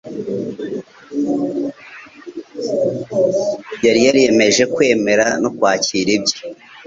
Yari yariyemeje kwemera no kwakira ibye.